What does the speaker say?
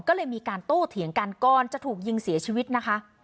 ก็เลยมีการโต้เถียงกันก่อนจะถูกยิงเสียชีวิตนะคะ